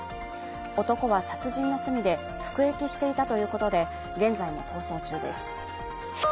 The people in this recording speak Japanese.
男は殺人の罪で服役していたということで、現在も逃走中です。